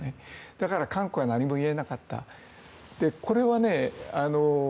だから、韓国は何も言えなかった。